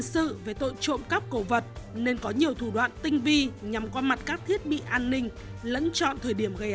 sự về tội trộm cắp cổ vật nên có nhiều thủ đoạn tinh vi nhằm qua mặt các thiết bị an ninh lẫn chọn thời điểm gây án